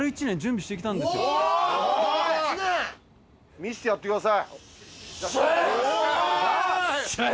見せてやってください。